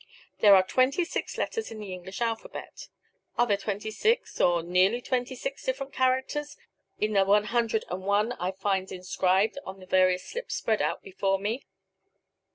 There are twenty six letters in the English alphabet. Are there twenty six or nearly twenty six different characters, in the one hundred and one I find inscribed on the various slips spread out before me?